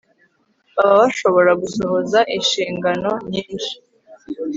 baba bashobora gusohoza inshingano nyinshi